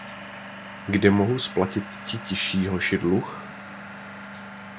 Kdy mohou splatiti ti tiší hoši dluh?